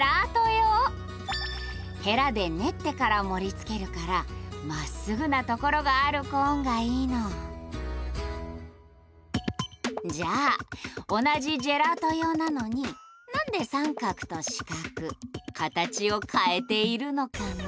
ヘラで練ってから盛りつけるからまっすぐなところがあるコーンがいいのじゃあ同じジェラート用なのになんで三角と四角カタチを変えているのかな？